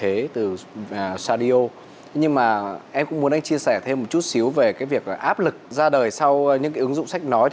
em muốn anh chia sẻ thêm một chút xíu về cái việc áp lực ra đời sau những ứng dụng sách nói